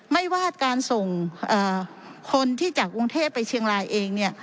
ไม่ว่าการส่งคนที่จากกรุงเทพไปเชียงรายเองเนี่ย